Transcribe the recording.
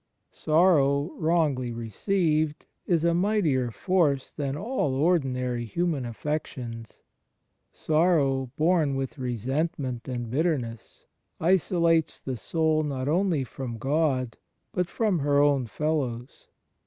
Sorrow, wrongly received, is a mightier force than all ordinary himian affections: sorrow, borne with resentment and bitterness, isolates the soul not only from God but from CHRIST IN mS mSTORICAL LIFE 1 29 her own fellows.